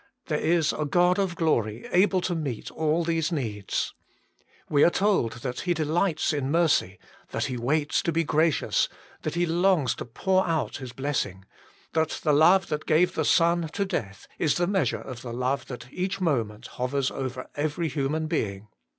There is a God of glory able to meet all these needs. We are told that He delights in mercy, that He waits to be gracious, that He longs to pour out His blessing; that the love that gave the Son to death is the measure of the love that each moment hovers over every human being.